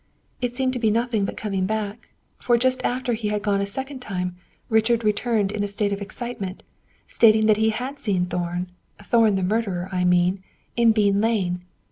It seemed to be nothing but coming back; for just after he had gone a second time, Richard returned in a state of excitement, stating that he had seen Thorn Thorn the murderer, I mean in Bean lane.